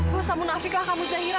bosa munafiklah kamu zahira